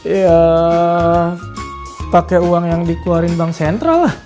ya pake uang yang dikeluarin bank sentral